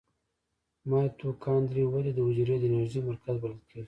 مایتوکاندري ولې د حجرې د انرژۍ مرکز بلل کیږي؟